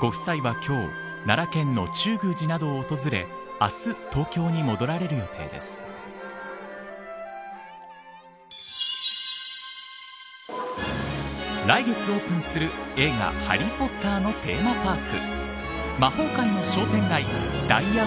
ご夫妻は今日奈良県の中宮寺などを訪れ来月１６日にオープンする映画ハリー・ポッターのテーマパーク。